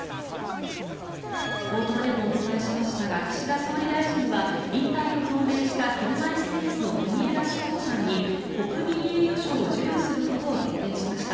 冒頭でもお伝えしましたが岸田総理大臣は引退を表明した車いすテニスの国枝慎吾さんに国民栄誉賞を授与することを決定しました。